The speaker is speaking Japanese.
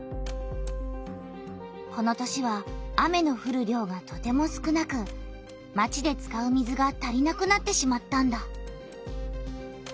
この年は雨のふる量がとても少なくまちで使う水が足りなくなってしまったんだ。